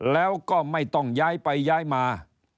แล้วก็ไม่ต้องย้ายไปย้ายมา